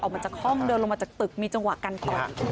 ออกมาจากห้องเดินลงมาจากตึกมีจังหวะการต่อย